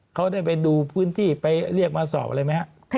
เขาได้ไปดูพื้นที่ไปเรียกมาสอบอะไรไหมครับ